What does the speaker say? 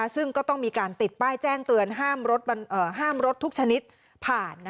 ซึ่งก็ต้องมีการติดป้ายแจ้งเตือนห้ามรถทุกชนิดผ่าน